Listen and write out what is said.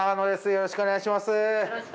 よろしくお願いします。